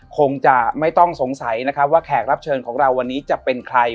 คงจะไม่ต้องสงสัยนะครับว่าแขกรับเชิญของเราวันนี้จะเป็นใคร